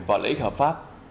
và lễ hợp pháp